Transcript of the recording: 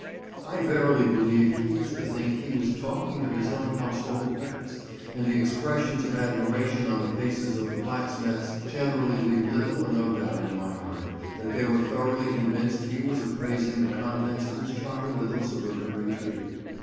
I verily believe he used to think he was talking of his own household effects, and the expressions of admiration on the faces of the blacksmiths generally leave little or no doubt in my mind that they were thoroughly convinced he was appraising the contents of his charming little suburban retreat.